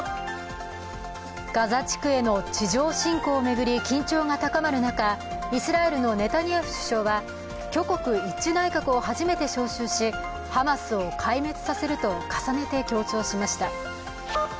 ガザ地区への地上侵攻を巡る緊張が高まる中、イスラエルのネタニヤフ首相は挙国一致内閣を初めて招集しハマスを壊滅させると重ねて強調しました。